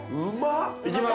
いきます。